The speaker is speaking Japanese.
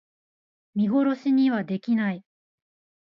見殺しにはできない